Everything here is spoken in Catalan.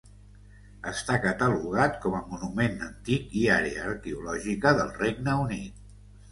Està catalogat com a monument antic i àrea arqueològica del Regne Unit.